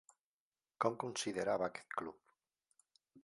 Com considerava aquest club?